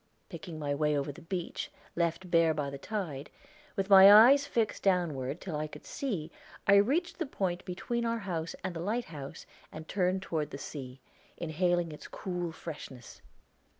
Picking my way over the beach, left bare by the tide, with my eyes fixed downward till I could see, I reached the point between our house and the lighthouse and turned toward the sea, inhaling its cool freshness.